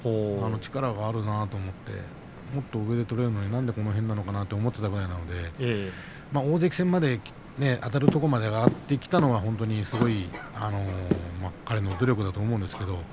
力があるなと思ってもっと上で取れるのになんでこの辺なのかなと思っていたので大関戦まであたるところまで上がってきたのが本当に彼の努力だと思います。